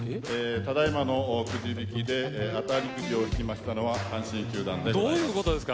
「ただ今のくじ引きで当たりくじを引きましたのは阪神球団でございます」